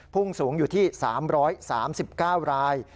พุ่งสูงอยู่ที่๓๓๙ราย